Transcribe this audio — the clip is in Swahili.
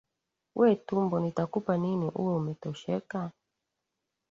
We tumbo nitakupa nini, uwe umetosheka?